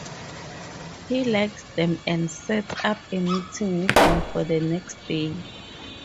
He likes them and sets up a meeting with them for the next day.